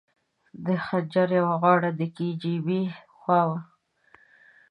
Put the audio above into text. د خنجر یوه غاړه د کي جي بي خوا وه.